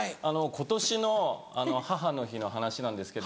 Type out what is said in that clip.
今年の母の日の話なんですけど。